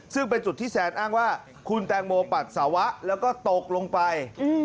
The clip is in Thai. ซึ่งเป็นจุดที่แซนอ้างว่าคุณแตงโมปัสสาวะแล้วก็ตกลงไป